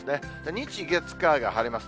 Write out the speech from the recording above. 日、月、火が晴れます。